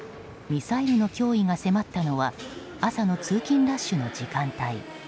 ミサイルの脅威が迫ったのは朝の通勤ラッシュの時間帯。